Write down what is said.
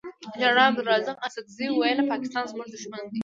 جنرال عبدلرازق اڅګزی وویل پاکستان زمونږ دوښمن دی.